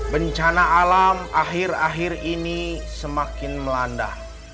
bencana alam akhir akhir ini semakin melanda